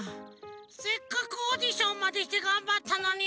せっかくオーディションまでしてがんばったのに。